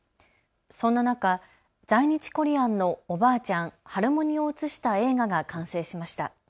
そんな中、在日コリアンのおばあちゃん・ハルモニを映した映画が完成しました。